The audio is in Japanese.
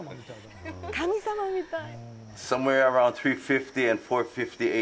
神様みたい！